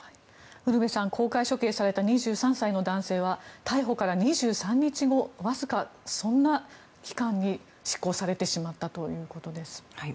ウルヴェさん公開処刑された２３歳の男性は逮捕から２３日後わずかそんな期間に執行されてしまったということです。